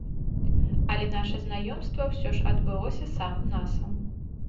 Але наша знаёмства ўсё ж адбылося сам на сам.